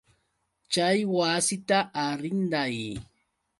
Chay wasita arrinday.